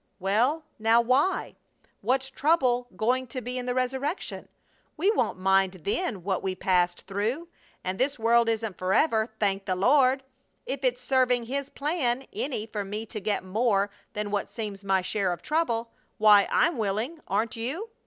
"Well, now why? What's trouble going to be in the resurrection? We won't mind then what we passed through, and this world isn't forever, thank the Lord! If it's serving His plan any for me to get more than what seems my share of trouble, why, I'm willing. Aren't you?